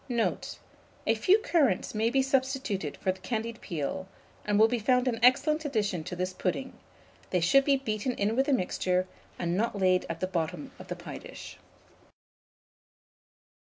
Note. A few currants may be substituted for the candied peel, and will be found an excellent addition to this pudding: they should be beaten in with the mixture, and not laid at the bottom of the pie dish.